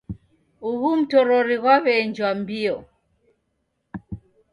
Ughu mtorori ghwaw'eenjwa mbio.